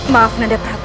maaf nanda prabu